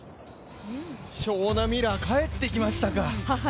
ショーナ・ミラー帰ってきましたか。